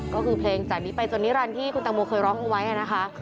ก็คือเพลงจากนี้ไปจนนิรันดิ์ที่คุณตังโมเคยร้องเอาไว้นะคะ